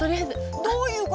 どういうこと？